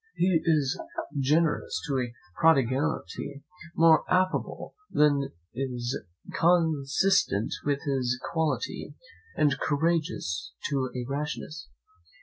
He is generous to a prodigality, more affable than is consistent with his quality, and courageous to a rashness.